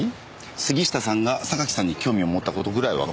杉下さんが榊さんに興味を持ったことぐらいはわかりますよ。